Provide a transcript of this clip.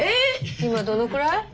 今どのくらい？